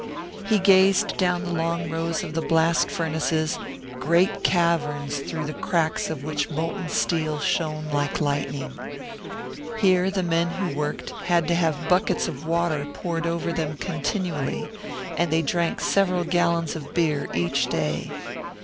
He gazed down the long rows of the blast furnaces, great caverns through the cracks of which the molten steel shone like lightning. Here the men who worked had to have buckets of water poured over them continually, and they drank several gallons of beer each day.